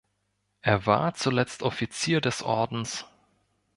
Er war zuletzt Offizier des Ordens.